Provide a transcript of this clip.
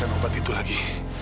bapak bisa buat itu lagi